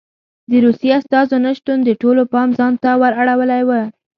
د روسیې استازو نه شتون د ټولو پام ځان ته ور اړولی و.